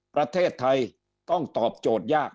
ประเทศไทยต้องตอบโจทย์ยาก